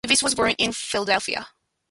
Davis was born in Philadelphia.